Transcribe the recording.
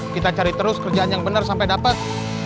kita cari terus kerjaan yang benar sampai dapat